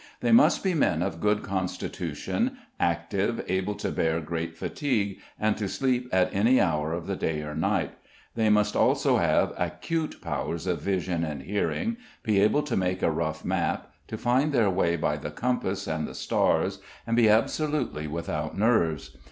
They must be men of good constitution, active, able to bear great fatigue, and to sleep at any hour of the day or night; they must also have acute powers of vision and hearing, be able to make a rough map, to find their way by the compass and the stars, and be absolutely without "nerves."